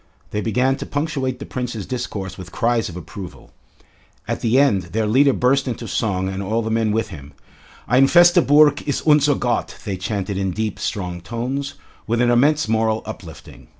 They began to punctuate the Prince's discourse with cries of approval. At the end their leader burst into song and all the men with him. "Ein feste Burg ist unser Gott," they chanted in deep, strong tones, with an immense moral uplifting.